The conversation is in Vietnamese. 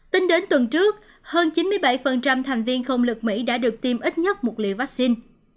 tính đến tuần trước hơn chín mươi bảy thành viên không lực mỹ đã được tiêm ít nhất một liều vaccine